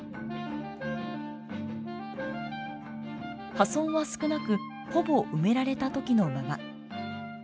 破損は少なくほぼ埋められた時のまま。